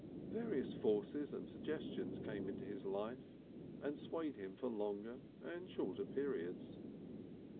Various forces and suggestions came into his life and swayed him for longer and shorter periods.